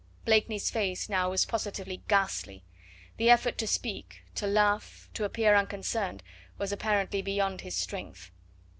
Blakeney's face now was positively ghastly. The effort to speak, to laugh, to appear unconcerned, was apparently beyond his strength.